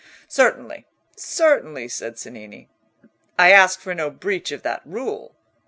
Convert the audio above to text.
"Certainly, certainly," said Cennini. "I ask for no breach of that rule.